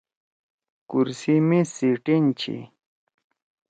کرسی میز سی ٹین چھی۔